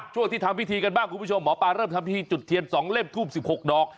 ช่วงที่ทำพิธีกันบ้างคุณผู้ชมหมอปลาเริ่มทำพิธีจุดเทียน๒เล่มทูบ๑๖ดอก